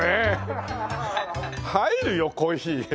入るよコーヒー。